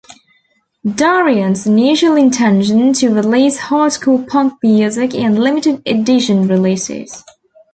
Dorrian's initial intention to release hardcore punk music and limited edition releases.